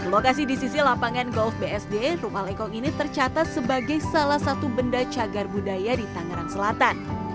lokasi di sisi lapangan golf bsd rumah lekong ini tercatat sebagai salah satu benda cagar budaya di tangerang selatan